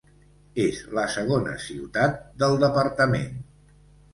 És la segona ciutat del departament.